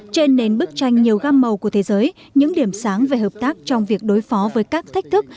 trên nền bức tranh nhiều gam màu của thế giới những điểm sáng về hợp tác trong việc đối phó với các thách thức